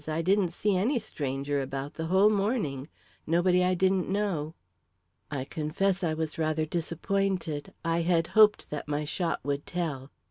"I didn't see any stranger about the whole morning nobody I didn't know." I confess I was rather disappointed; I had hoped that my shot would tell.